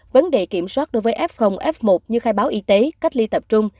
vấn đề kiểm soát đối với f f một như khai báo y tế cách ly tập trung